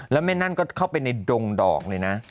แล้วแม่นั่นก็เข้าไปในดงดอกเลยนะ